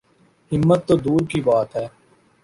ہمت تو دور کی بات ہے۔